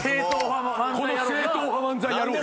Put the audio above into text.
この正統派漫才野郎が！